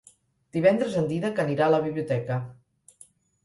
Divendres en Dídac anirà a la biblioteca.